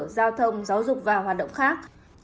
giao thông giáo dục và hoạt động khác